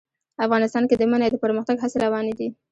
افغانستان کې د منی د پرمختګ هڅې روانې دي.